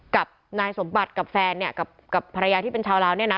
กับนายสมบัติแฟนภรรยาที่เป็นชาวราวเนี่ยนะ